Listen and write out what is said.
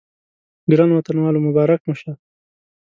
ګرانو وطنوالو مبارک مو شه.